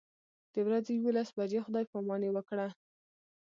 د ورځې یوولس بجې خدای پاماني وکړه.